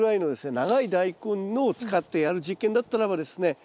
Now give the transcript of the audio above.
長いダイコンを使ってやる実験だったらばですね